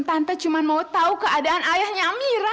tante cuma mau tahu keadaan ayahnya amira